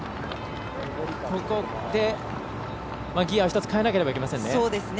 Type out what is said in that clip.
ここで、ギヤを１つ変えないといけませんね。